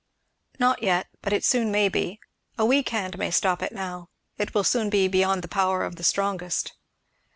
"Not yet but it soon may be. A weak hand may stop it now, it will soon be beyond the power of the strongest."